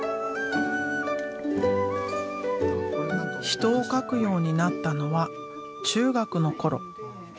人を描くようになったのは中学の頃。